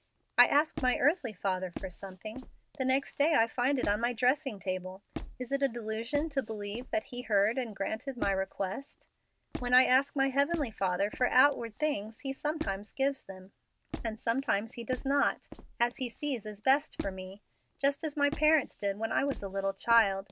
I ask my earthly father for something. The next day I find it on my dressing table. Is it a delusion to believe that he heard and granted my request? When I ask my Heavenly Father for outward things, He sometimes gives them, and sometimes He does not, as He sees is best for me, just as my parents did when I was a little child.